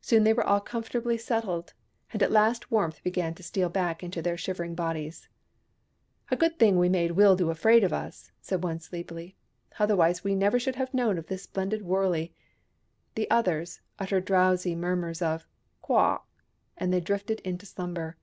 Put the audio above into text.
Soon they were all comfortably settled, and at last warmth began to steal back into their shivering bodies. " A good thing we made Wildoo afraid of us," said one sleepily. " Otherwise we should never have known of this splendid wurley." The others uttered drowsy murmurs of " Kwah !" as they drifted into slumber.